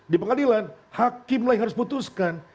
di pengadilan hakim lagi harus putuskan